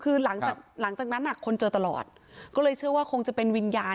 คือหลังจากนั้นอ่ะคนเจอตลอดก็เลยเชื่อว่าคงจะเป็นวิญญาณ